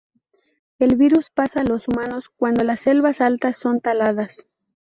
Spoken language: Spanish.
El virus pasa a los humanos cuando las selvas altas son taladas.